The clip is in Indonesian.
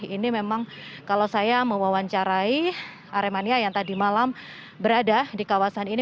ini memang kalau saya mewawancarai aremania yang tadi malam berada di kawasan ini